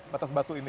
batas batu ini